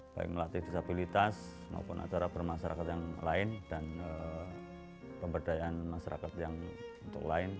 baik melatih disabilitas maupun acara bermasyarakat yang lain dan pemberdayaan masyarakat yang untuk lain